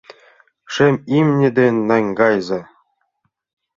Шем имне ден наҥгайыза.